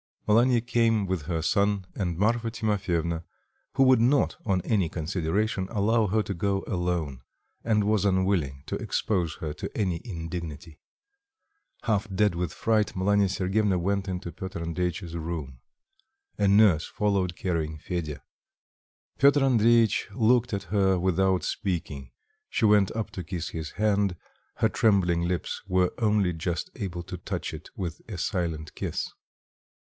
Malanya came with her son and Marfa Timofyevna, who would not on any consideration allow her to go alone, and was unwilling to expose her to any indignity. Half dead with fright, Malanya Sergyevna went into Piotr Andreitch's room. A nurse followed, carrying Fedya. Piotr Andreitch looked at her without speaking; she went up to kiss his hand; her trembling lips were only just able to touch it with a silent kiss.